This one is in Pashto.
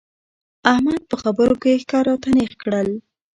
احمد په خبرو کې ښکر راته نېغ کړل.